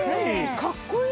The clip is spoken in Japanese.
かっこいい。